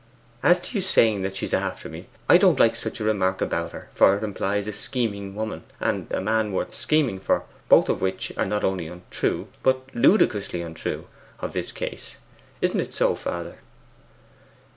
As to you saying that she's after me, I don't like such a remark about her, for it implies a scheming woman, and a man worth scheming for, both of which are not only untrue, but ludicrously untrue, of this case. Isn't it so, father?